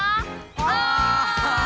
お！